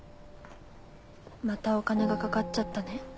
またお金がかかっちゃったね。